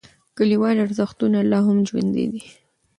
کلیوالي ارزښتونه لا هم ژوندی دي.